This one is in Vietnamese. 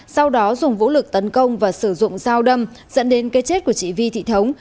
sau đó dùng vũ lực tấn công và sử dụng dao đâm dẫn đến cái chết của chị vi thị thống